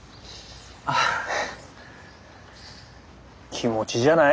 気持ちじゃない？